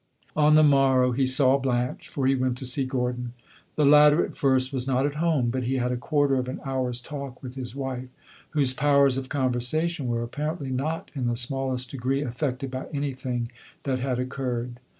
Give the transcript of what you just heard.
On the morrow he saw Blanche, for he went to see Gordon. The latter, at first, was not at home; but he had a quarter of an hour's talk with his wife, whose powers of conversation were apparently not in the smallest degree affected by anything that had occurred.